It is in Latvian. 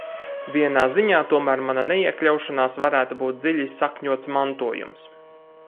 Vienā ziņā tomēr mana neiekļaušanās varētu būt dziļi sakņots mantojums.